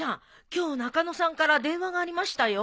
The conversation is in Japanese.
今日中野さんから電話がありましたよ。